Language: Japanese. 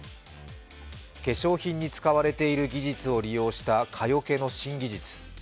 化粧品に使われている技術を利用した蚊よけの新技術。